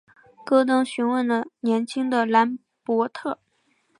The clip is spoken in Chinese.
戈登询问了年轻的兰伯特。